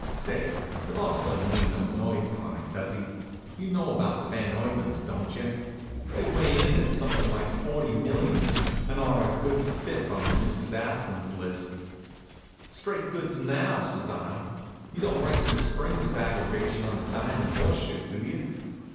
Say, the Boss don't need no nerve tonic, does he? You know about the Van Urbans, don't you? They weigh in at something like forty millions and are a good fifth on Mrs. Astor's list. "Straight goods, now," says I, "you don't reckon to spring this aggregation on the diamond horse shoe, do you?"